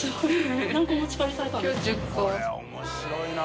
海面白いな！